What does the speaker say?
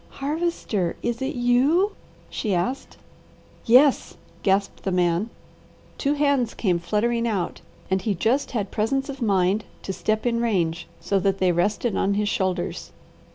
"Harvester, is it you?" she asked. "Yes," gasped the man. Two hands came fluttering out, and he just had presence of mind to step in range so that they rested on his shoulders.